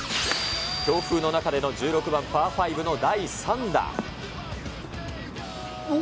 強風の中での１６番パー５の第３打。